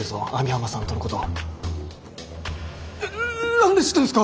何で知ってんすか？